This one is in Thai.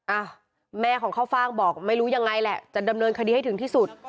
อ่ะแม่ของข้าวฟ่างบอกไม่รู้ยังไงแหละจะดำเนินคดีให้ถึงที่สุด